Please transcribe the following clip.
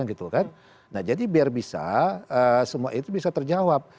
nah jadi biar bisa semua itu bisa terjawab